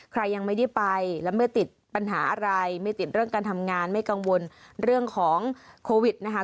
ใครยังไม่ได้ไปและไม่ติดปัญหาอะไรไม่ติดเรื่องการทำงานไม่กังวลเรื่องของโควิดนะคะ